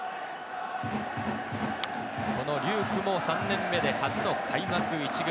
この龍空も３年目で初の開幕１軍。